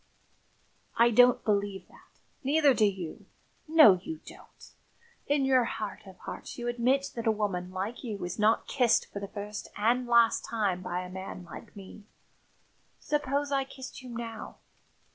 "I don't believe that; neither do you no, you don't! In your heart of hearts you admit that a woman like you is not kissed for the first and last time by a man like me. Suppose I kissed you now?